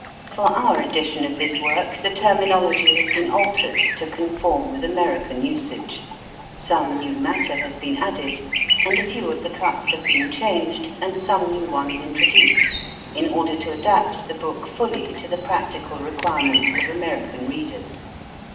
For our edition of this work the terminology has been altered to conform with American usage, some new matter has been added, and a few of the cuts have been changed and some new ones introduced, in order to adapt the book fully to the practical requirements of American readers.